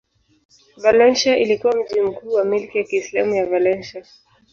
Valencia ilikuwa mji mkuu wa milki ya Kiislamu ya Valencia.